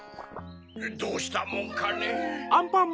どうしたもんかねぇ？